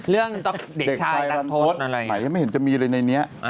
เรื่องเด็กชายลันทศไหนยังไม่เห็นมีอะไรในนี้